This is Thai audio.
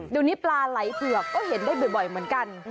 เดี๋ยวนี้ปลาไหลเผือกก็เห็นได้บ่อยเหมือนกัน